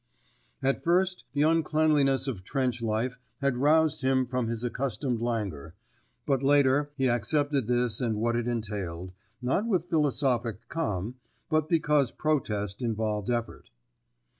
At first the uncleanliness of trench life had roused him from his accustomed languor, but later he accepted this and what it entailed, not with philosophic calm, but because protest involved effort.